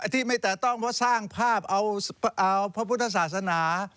ที่ไม่แตะต้องเพราะสร้างภาพเอาพระพุทธศาสนา